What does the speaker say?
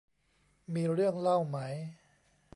มีเรื่องเล่าไหม